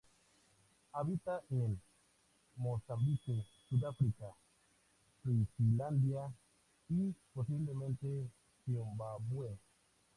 Habita en Mozambique, Sudáfrica, Suazilandia y posiblemente Zimbabue.